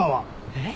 えっ？